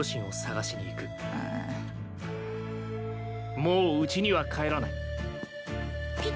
もううちには帰らない。